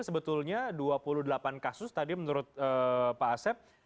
sebetulnya dua puluh delapan kasus tadi menurut pak asep